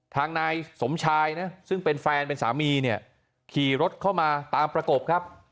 ทางนายสมชายนะซึ่งเป็นแฟนเป็นสามีเนี่ยขี่รถเข้ามาตามประกบครับ